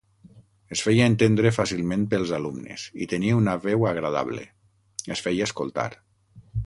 Es feia entendre fàcilment pels alumnes i tenia una veu agradable: es feia escoltar.